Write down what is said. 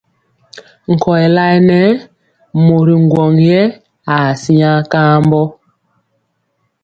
Nkɔyɛ layɛ nɛ mori ŋgwɔŋ yɛ aa siŋa kambɔ.